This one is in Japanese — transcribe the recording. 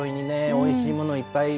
おいしいものいっぱい。